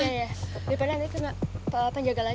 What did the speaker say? ya ya daripada nanti tuh enggak panjaga lagi